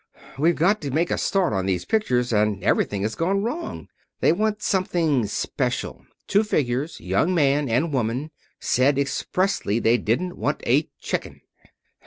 We've got to make a start on these pictures and everything has gone wrong. They want something special. Two figures, young man and woman. Said expressly they didn't want a chicken.